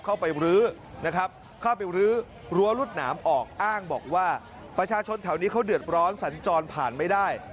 เข้าไปรื้อนะครับเข้าไปรื้อรั้วรวดหนามออกอ้างบอกว่าประชาชนแถวนี้เขาเดือดร้อนสัญจรผ่านไม่ได้